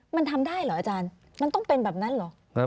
มันทำได้เหรออาจารย์มันต้องเป็นแบบนั้นเหรอ